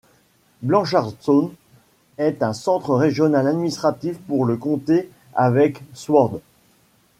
Blanchardstown est un centre régional administratif pour le comté avec Swords.